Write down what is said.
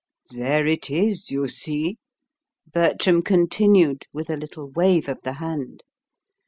"There it is, you see," Bertram continued, with a little wave of the hand.